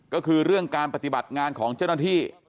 ก็คือเรื่องการปฏิบัติงานของเจ้าหน้าที่